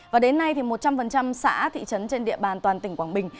và đến nay một trăm linh xã thị trấn trên địa bàn toàn tỉnh quảng bình